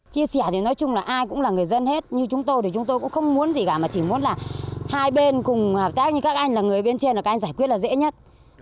chia sẻ thì nói chung là ai cũng là người dân hết như chúng tôi thì chúng tôi cũng không muốn gì cả mà chỉ muốn là hai bên cùng hợp tác như các anh là người bên trên là các anh giải quyết là dễ nhất